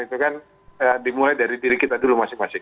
itu kan dimulai dari diri kita dulu masing masing